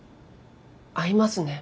合いますね。